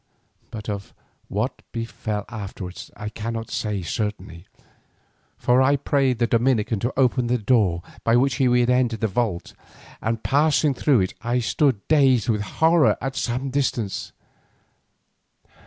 But of what befell afterwards I cannot say certainly, for I prayed the Dominican to open the door by which we had entered the vault, and passing through it I stood dazed with horror at some distance.